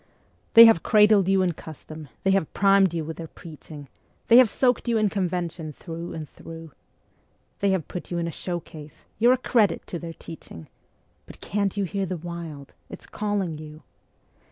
They have cradled you in custom, they have primed you with their preaching, They have soaked you in convention through and through; They have put you in a showcase; you're a credit to their teaching But can't you hear the Wild? it's calling you.